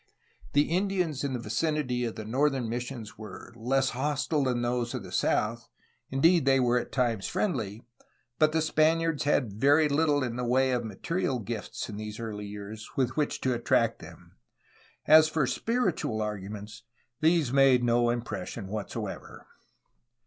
The Indians in the vicinity of the northern missions were less hostile than those of the south, — ^indeed, they were at times friendly, — ^but the Spaniards had very little in the way of material gifts in these early years with which to attract them. As for spiritual arguments these made no impression whatsoever.